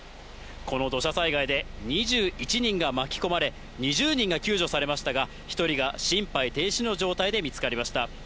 この土砂災害で２１人が巻き込まれ、２０人が救助されましたが、１人が心肺停止の状態で見つかりました。